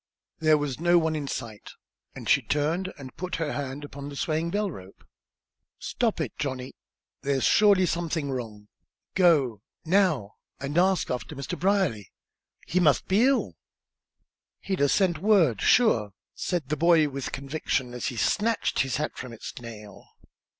There was no one in sight, and she turned and put her hand upon the swaying bell rope. "Stop it, Johnny! There's surely something wrong! Go, now, and ask after Mr. Brierly. He must be ill!" "He'd 'a sent word, sure," said the boy, with conviction, as he snatched his hat from its nail.